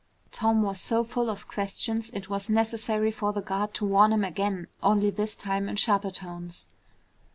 Tom was so full of questions it was necessary for the guard to warn him again, only this time in sharper tones.